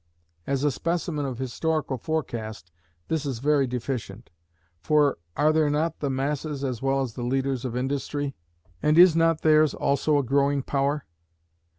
As a specimen of historical forecast this is very deficient; for are there not the masses as well as the leaders of industry? and is not theirs also a growing power?